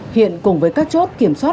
hiện cùng với các chốt kiểm soát